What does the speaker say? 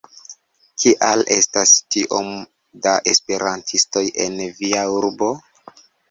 Kial estas tiom da Esperantistoj en via urbo?